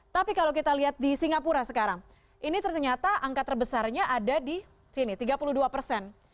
tapi kalau kita lihat di singapura sekarang ini ternyata angka terbesarnya ada di sini tiga puluh dua persen